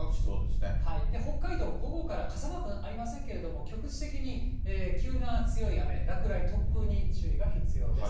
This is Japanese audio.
北海道、午後から、傘マークありませんけれども、局地的に急な強い雨、落雷、突風に注意が必要です。